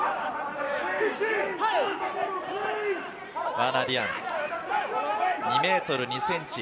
ワーナー・ディアンズ、２ｍ２ｃｍ。